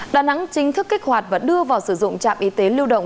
đà nẵng chính thức kích hoạt và đưa vào sử dụng trạm y tế lưu động